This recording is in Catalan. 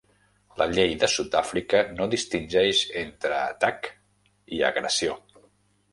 La llei de Sud-Àfrica no distingeix entre atac i agressió.